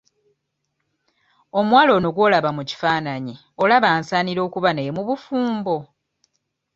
Omuwala ono gw'olaba mu kifaananyi olaba ansaanira okuba naye mu bufumbo?